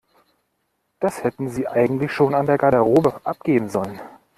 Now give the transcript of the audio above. Das hätten Sie eigentlich schon an der Garderobe abgeben sollen.